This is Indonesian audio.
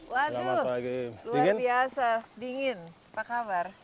waduh luar biasa dingin apa kabar